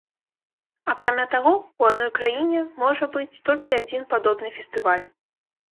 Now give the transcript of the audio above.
Акрамя таго, у адной краіне можа быць толькі адзін падобны фестываль.